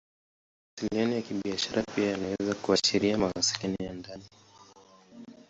Mawasiliano ya Kibiashara pia yanaweza kuashiria mawasiliano ya ndani.